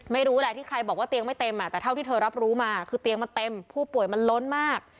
ไม่รู้แหละที่ใครบอกว่าเตียงไม่เต็มแต่เท่าที่เธอรับรู้มาคือเตียงมันเต็มผู้ป่วยมันล้นมาก